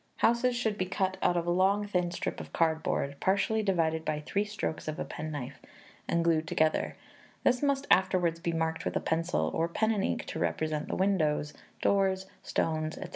Houses should be cut out of a long thin strip of cardboard, partially divided by three strokes of a penknife, and glued together; this must afterwards be marked with a pencil, or pen and ink, to represent the windows, doors, stones, &c.